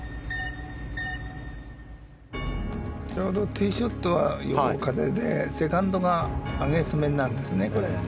ちょうどティーショットは横風でセカンドがアゲンスト気味になるんですね。